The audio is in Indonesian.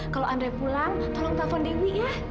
kalau andre pulang tolong telpon dewi ya